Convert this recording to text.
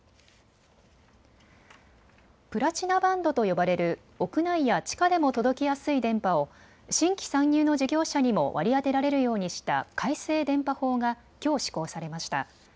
プラチナバンドと呼ばれる屋内や地下でも届きやすい電波を新規参入の事業者にも割り当てられるようにした改正電波法がきょう施行されました。